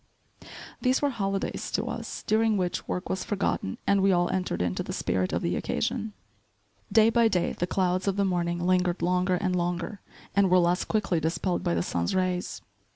These were holidays to us, during which work was forgotten and we all entered into the spirit of the occasion. Day by day the clouds of the morning lingered longer and longer and were less quickly dispelled by the sun's rays.